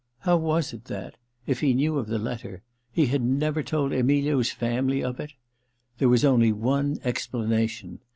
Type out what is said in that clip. How was it that, if he knew of the letter, he had never told Emilio's family of it ? There was only one explanation.